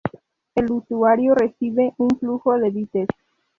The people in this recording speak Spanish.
El usuario recibe un flujo de bytes.